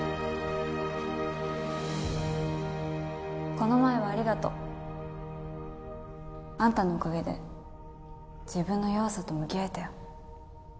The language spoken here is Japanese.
この前はありがとうあんたのおかげで自分の弱さと向き合えたよ